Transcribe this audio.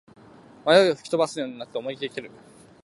迷いを吹き飛ばすように思いきって蹴る